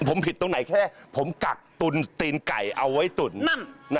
ผมผิดตรงไหนแค่ผมกักตุนตีนไก่เอาไว้ตุ๋น